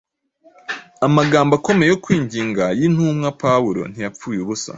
Amagambo akomeye yo kwinginga y’intumwa Pawulo ntiyapfuye ubusa